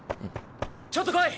ちょっと来い！